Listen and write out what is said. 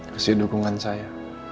kasih dukungan saya